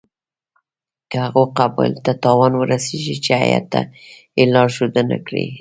که هغو قبایلو ته تاوان ورسیږي چې هیات ته یې لارښودنه کړې.